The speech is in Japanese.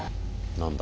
何だ？